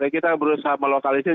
kita berusaha melokalisir